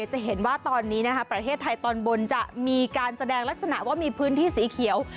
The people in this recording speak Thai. จะเห็นว่าตอนนี้ประเทศไทยตอนบนจะมีการแสดงลักษณะว่ามีพื้นที่สีเขียว